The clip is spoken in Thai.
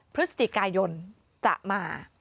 พฤศจิกายนจะมา